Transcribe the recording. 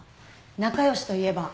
仲良しといえば。